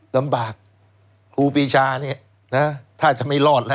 ลำบากครูปีชานี่ถ้าจะไม่รอดนะ